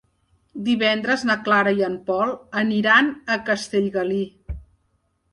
Divendres na Clara i en Pol aniran a Castellgalí.